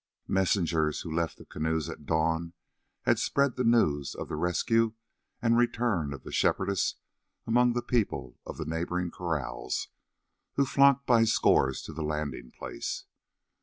Messengers who left the canoes at dawn had spread the news of the rescue and return of the Shepherdess among the people of the neighbouring kraals, who flocked by scores to the landing place.